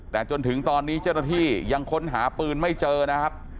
แต่จนถึงตอนนี้เจ้าหน้าที่ยังค้นหาปืนไม่เจอนะครับ